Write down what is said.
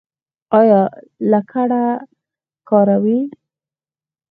ایا لکړه کاروئ؟